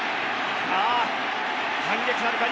さあ反撃なるか？